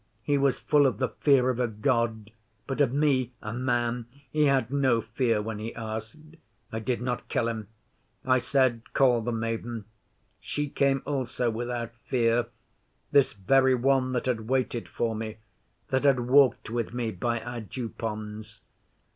He was full of the fear of a God, but of me, a man, he had no fear when he asked. I did not kill him. I said, "Call the maiden." She came also without fear this very one that had waited for me, that had talked with me, by our Dew ponds.